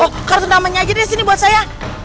oh kartu namanya aja deh sini buat saya